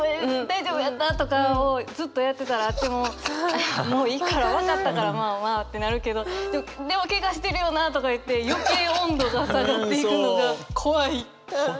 大丈夫やった？とかをずっとやってたらもうもういいから分かったからまあまあってなるけどでもケガしてるよなとかいって余計温度が下がっていくのが怖い。